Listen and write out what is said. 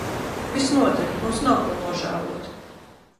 Visnotaļ, mums nav ko nožēlot.